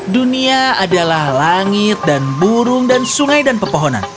dunia adalah langit dan burung dan sungai dan pepohonan